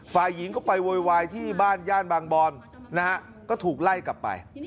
ฝ่ายหญิงก็ไปโวยวายที่บ้านย่านบางบอนนะฮะก็ถูกไล่กลับไป